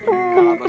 gak lah bos